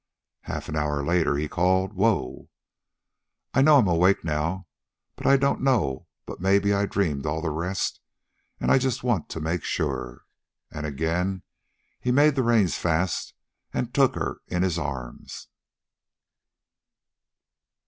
Half an hour later he called "Whoa!" "I know I'm awake now, but I don't know but maybe I dreamed all the rest, and I just want to make sure." And again he made the reins fast and took her in his arms.